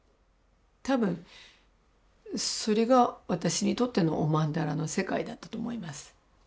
多分それが私にとってのお曼荼羅の世界だったと思います。